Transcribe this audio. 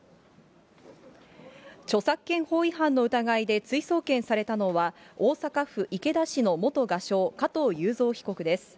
著作権法違反の疑いで追送検されたのは、大阪府池田市の元画商、加藤雄三被告です。